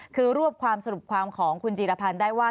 คือรวบความสรุปความของคุณจีรพันธ์ได้ว่า